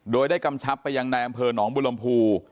โดยได้กำชับไปยังในอำเภอหนองบุรมภู